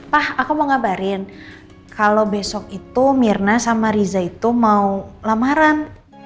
pak aku mau ngabarin kalau besok itu mirna sama riza itu mau lamaran